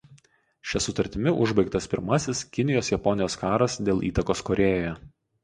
Šia sutartimi užbaigtas Pirmasis Kinijos–Japonijos karas dėl įtakos Korėjoje.